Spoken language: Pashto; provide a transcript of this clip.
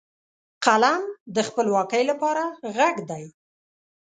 قلم د خپلواکۍ لپاره غږ دی